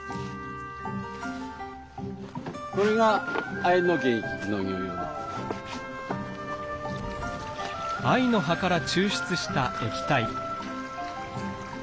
青森市の藍の葉から抽出した液体。